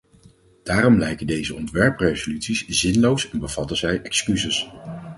Daarom lijken deze ontwerpresoluties zinloos en bevatten zij excuses.